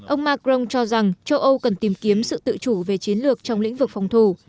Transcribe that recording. ông macron cho rằng châu âu cần tìm kiếm sự tự chủ về chiến lược trong lĩnh vực phòng thủ